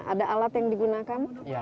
ada alat yang digunakan